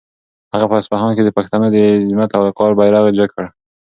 هغه په اصفهان کې د پښتنو د عظمت او وقار بیرغ جګ کړ.